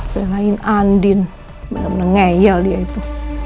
belain andin bener bener ngeyel dia itu